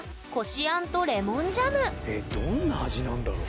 まずはえっどんな味なんだろう。